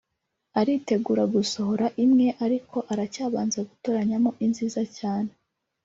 aritegura gusohora imwe ariko aracyabanza gutoranyamo inziza cyane